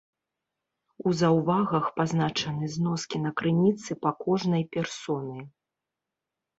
У заўвагах пазначаны зноскі на крыніцы па кожнай персоны.